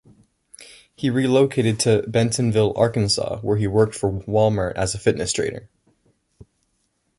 He relocated to Bentonville, Arkansas, where he worked for Wal-Mart as a fitness trainer.